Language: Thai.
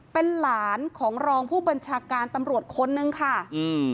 เป็นหลานของรองผู้บัญชาการตำรวจคนนึงค่ะอืม